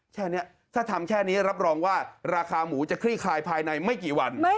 แค่นี้ถ้าทำแค่นี้รับรองว่าราคาหมูจะคลี่คลายภายในไม่กี่วัน